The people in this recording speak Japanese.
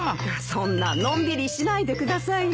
そんなのんびりしないでくださいな。